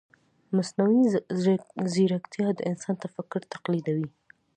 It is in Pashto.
مصنوعي ځیرکتیا د انسان تفکر تقلیدوي.